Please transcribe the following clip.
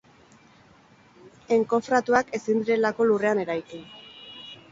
Enkofratuak ezin direlako lurrean eraiki.